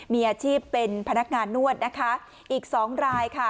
มีอาชีพเป็นพนักงานนวดนะคะอีกสองรายค่ะ